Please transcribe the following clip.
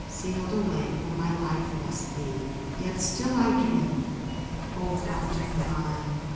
Sealed away from my life must be. Yet still I dream, O heart of mine